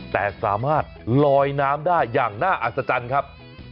แต่สามารถลอยน้ำได้อย่างน่าอัศจรรย์ครับ